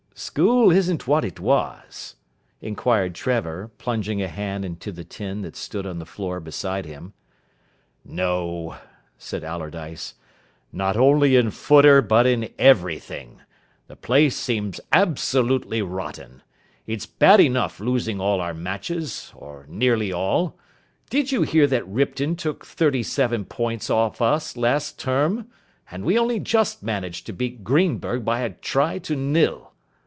"School isn't what it was?" inquired Trevor, plunging a hand into the tin that stood on the floor beside him. "No," said Allardyce, "not only in footer but in everything. The place seems absolutely rotten. It's bad enough losing all our matches, or nearly all. Did you hear that Ripton took thirty seven points off us last term? And we only just managed to beat Greenburgh by a try to nil."